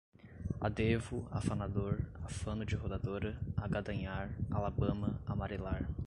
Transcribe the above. adêvo, afanador, afano de rodadora, agadanhar, alabama, amarelar